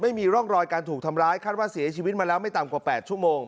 ไม่มีร่องรอยการถูกทำร้ายคาดว่าเสียชีวิตมาแล้วไม่ต่ำกว่า๘ชั่วโมง